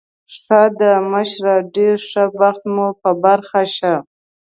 ښه ده، مشره، ډېر ښه بخت مو په برخه شه.